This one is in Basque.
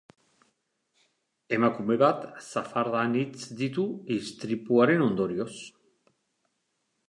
Emakume bat zafarda anitz ditu istripuaren ondorioz.